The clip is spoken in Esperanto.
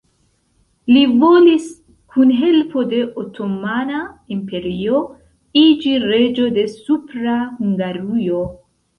Li volis, kun helpo de Otomana Imperio, iĝi reĝo de Supra Hungarujo.